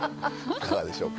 いかがでしょうか？